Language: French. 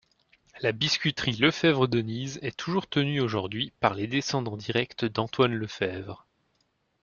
La biscuiterie Lefèvre-Denise est toujours tenue aujourd'hui par les descendants directs d'Antoine Lefèvre.